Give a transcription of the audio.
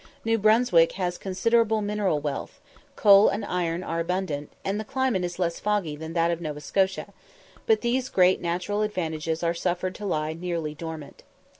New Brunswick has considerable mineral wealth; coal and iron are abundant, and the climate is less foggy than that of Nova Scotia; but these great natural advantages are suffered to lie nearly dormant.